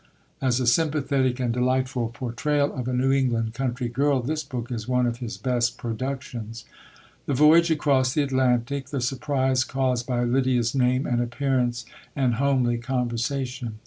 As a sympathetic and delightful portrayal of a New England country girl, this book is one of his best productions. The voyage across the Atlantic; the surprise caused by Lydia's name and appearance, and homely conversation.